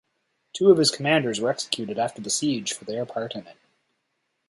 Two of his commanders were executed after the siege for their part in it.